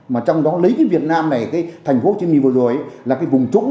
mà trong đó lấy cái việt nam này cái thành phố hồ chí minh vừa rồi là cái vùng trũng